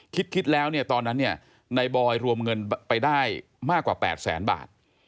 คิดแล้วเนี่ยตอนนั้นเนี่ยในบอยรวมเงินไปได้มากกว่า๘แสนบาท